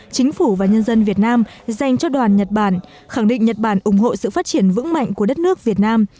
chính phủ và nhân dân việt nam dành cho đoàn nhật bản khẳng định nhật bản ủng hộ sự phát triển vững mạnh của đất nước việt nam